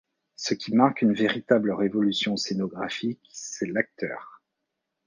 Ce qui marque une véritable révolution scénographique c’est l’acteur.